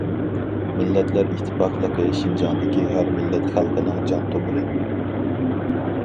مىللەتلەر ئىتتىپاقلىقى شىنجاڭدىكى ھەر مىللەت خەلقنىڭ جان تومۇرى.